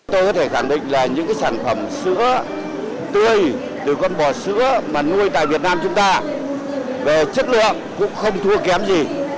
tôi có thể khẳng định là những sản phẩm sữa tươi từ con bò sữa mà nuôi tại việt nam chúng ta về chất lượng cũng không thua kém gì